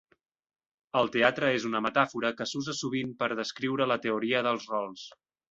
El teatre és una metàfora que s'usa sovint per descriure la teoria dels rols.